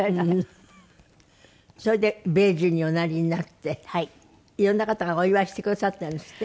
それで米寿におなりになって色んな方がお祝いしてくださったんですって？